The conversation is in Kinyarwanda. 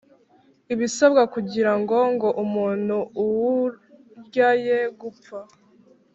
ibisabwa kugirango ngo umuntu uwurya ye gupfa